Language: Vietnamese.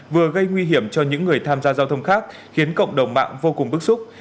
vừa gây nguy hiểm cho những người tham gia giao thông khác khiến cộng đồng mạng vô cùng bức xúc